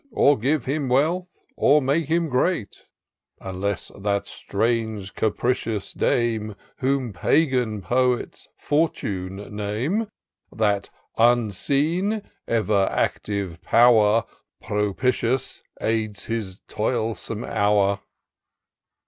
Or give him wealth, or make him great, Unless that strange, capricious dame. Whom Pagan poets Fortune name. That unseen, ever active pow'r. Propitious aids his toilsome hour.